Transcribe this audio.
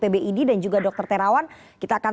pbid dan juga dr terawan kita akan